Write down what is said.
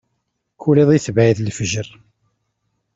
Kul iḍ, itbeɛ-it lefjer.